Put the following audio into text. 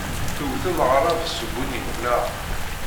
Tewtem aɣrab s ubunyiw, naɣ?